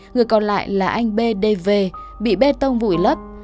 người còn lại là anh b d v bị bê tông vụi lấp